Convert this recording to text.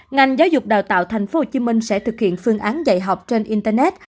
ngành giáo dục đào tạo tp hcm sẽ thực hiện phương án dạy học trên internet